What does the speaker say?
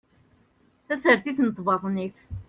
Tasertit n tbaḍnit